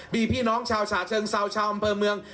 มีพี่น้องชาวฉะเชิงเซาชาวอำเภอเมือง